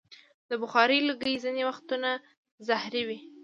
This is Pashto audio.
د بخارۍ لوګی ځینې وختونه زهري وي.